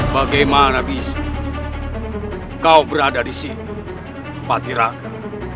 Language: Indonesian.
bagaimana bisa kau berada di sini patiraku